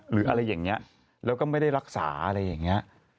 หรืออะไรอย่างนี้แล้วก็ไม่ได้รักษาอะไรอย่างนี้